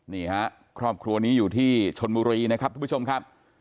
นี่ฮะครอบครัวนี้อยู่ที่ชนบุรีนะครับทุกผู้ชมครับ